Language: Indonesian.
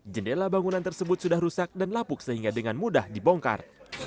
jendela bangunan tersebut sudah rusak dan lapuk sehingga dengan mudah dibongkar